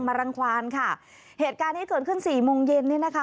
รังความค่ะเหตุการณ์นี้เกิดขึ้นสี่โมงเย็นนี่นะคะ